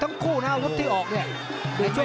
ทั้งคู่นะอุดที่ออกนี่